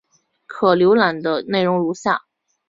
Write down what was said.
可浏览的内容如下。